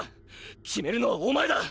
決めるのはお前だ！！